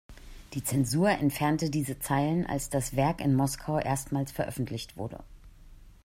Die Zensur entfernte diese Zeilen, als das Werk in Moskau erstmals veröffentlicht wurde.